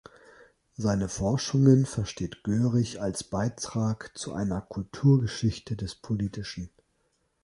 Seine Forschungen versteht Görich als Beitrag zu einer „Kulturgeschichte des Politischen“.